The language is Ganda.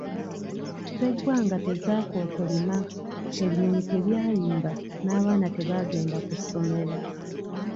Ssegwanga tezaakookolima, ebinyonyi tebyayimba n'abaana tebagenda ku ssomero.